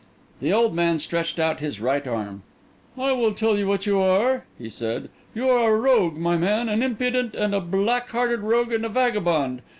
The old man stretched out his right arm. "I will tell you what you are," he said. "You are a rogue, my man, an impudent and a black hearted rogue and vagabond.